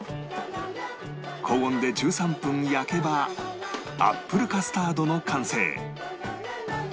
高温で１３分焼けばアップルカスタードの完成